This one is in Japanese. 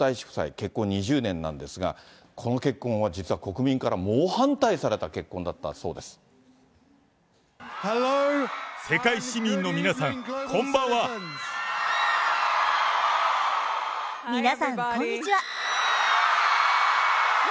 結婚２０年なんですが、この結婚は実は国民から猛反対された世界市民の皆さん、こんばん皆さんこんにちは。